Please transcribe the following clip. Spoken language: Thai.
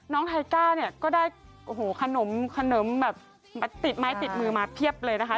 น้องไท้ก้าเนี่ยก็ได้ขนมติดไม้ติดมือมาเพียบเลยนะคะ